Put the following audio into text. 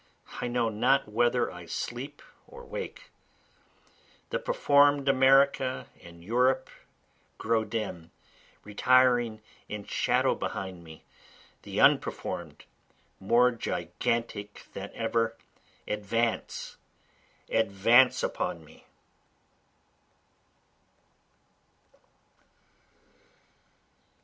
(I know not whether I sleep or wake;) The perform'd America and Europe grow dim, retiring in shadow behind me, The unperform'd, more gigantic than ever, advance, advance upon me.